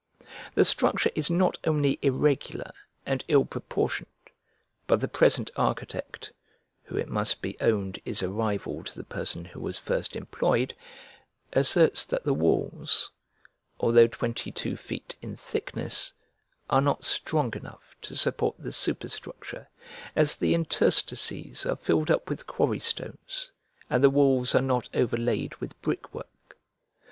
The structure is not only irregular and ill proportioned, but the present architect (who, it must be owned, is a rival to the person who was first employed) asserts that the walls, although twenty two feet in thickness, are not strong enough to support the superstructure, as the interstices are filled up with quarrystones, and the walls are not overlaid with brickwork.